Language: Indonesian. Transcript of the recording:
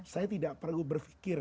saya tidak bisa berpindah ke alam kubur